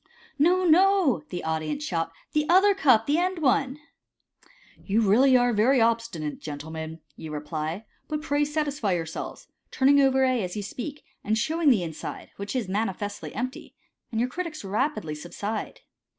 " No, no," the audience shout, " the other cup, the end one." " You are really very obstinate, gentlemen," you reply, " but pray satisfy yourselves," turning over A as you speak, and showing the inside, which is manifestly empty, and your critics rapidly subside.